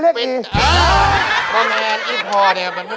เหนือนี่เป็นคนตะวันเหนือ